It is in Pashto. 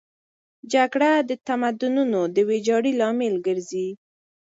جګړه د تمدنونو د ویجاړۍ لامل ګرځي.